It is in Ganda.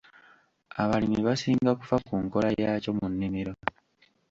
Abalimi basinga kufa ku nkola yaakyo mu nnimiro.